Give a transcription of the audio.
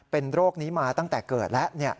เป็นโรคนี้มาตั้งแต่เกิดแล้ว